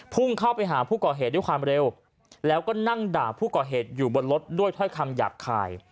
พุ่งเข้าไปหาผู้ก่อเหตุด้วยความเร็วแล้วก็นั่งด่าผู้ก่อเหตุอยู่บนรถด้วยถ้อยคำหยาบคาย